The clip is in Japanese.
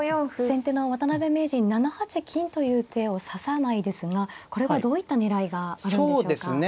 先手の渡辺名人７八金という手を指さないですがこれはどういった狙いがあるんでしょうか。